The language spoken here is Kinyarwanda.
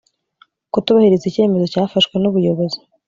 kutubahiriza icyemezo cyafashwe n’ubuyobozi